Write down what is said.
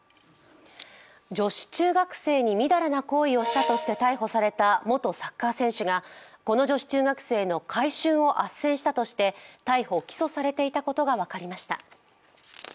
女子中学生にみだらな行為をしたとして逮捕された元サッカー選手がこの女子中学生の買春をあっせんしたとして逮捕・起訴されていたことが分かりました。